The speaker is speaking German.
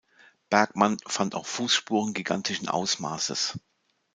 Bergman fand auch Fußspuren gigantischen Ausmaßes.